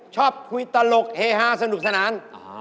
ชอบคุยตลกเฮฮาสนุกสนาน